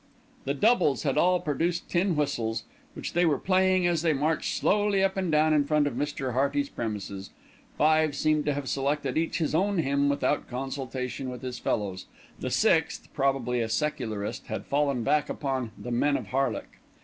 The "doubles" had all produced tin whistles, which they were playing as they marched slowly up and down in front of Mr. Hearty's premises. Five seemed to have selected each his own hymn without consultation with his fellows; the sixth, probably a secularist, had fallen back upon "The Men of Harlech."